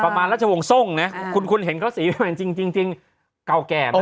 ประมาณราชวงศ์ทรงส่วนส้มนี่คุณเห็นเขาหมายจริงกล่าวแก่